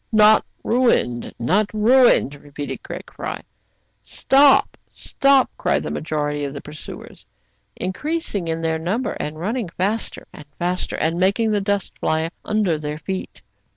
"Not ruined, not ruined!" repeated Fry Craig. " Stop, stop !" cried the majority of the pur suers, increasing in number, and running faster and faster, and making the dust fly under their feet.